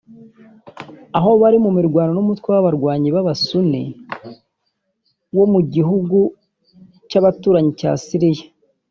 aho bari mu mirwano n’umutwe w’abarwanyi wa basunni wo mu gihugu cy’abaturanyi cya Siriya